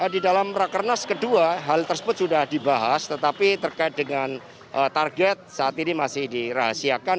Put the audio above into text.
di dalam rakernas kedua hal tersebut sudah dibahas tetapi terkait dengan target saat ini masih dirahasiakan